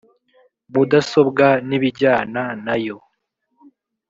mudasobwa n ibijyana na yo